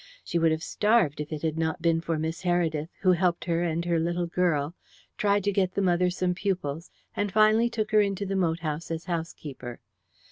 She would have starved if it had not been for Miss Heredith, who helped her and her little girl, tried to get the mother some pupils, and finally took her into the moat house as housekeeper.